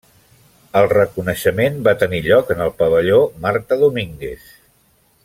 El reconeixement va tenir lloc en el Pavelló Marta Domínguez.